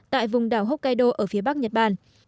tại vùng đảo hokkaido ở phía bắc nhật bản